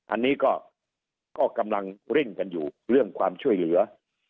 อันนี้ก็กำลังเร่งกันอยู่เรื่องความช่วยเหลือ